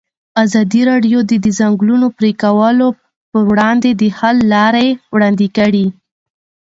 ازادي راډیو د د ځنګلونو پرېکول پر وړاندې د حل لارې وړاندې کړي.